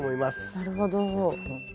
なるほど。